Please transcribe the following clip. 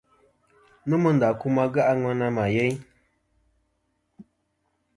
Nomɨ ndà kum age' a ŋwena mà yeyn.